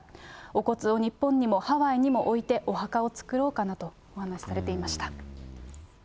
お骨を日本にもハワイにも置いて、お墓を作ろうかなと、お話されていました。